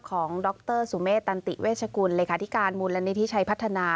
ดรสุเมษตันติเวชกุลเลขาธิการมูลนิธิชัยพัฒนา